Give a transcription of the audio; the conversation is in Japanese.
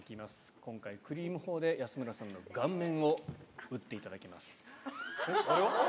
今回、クリーム砲で、安村さんの顔面を打っていただきます。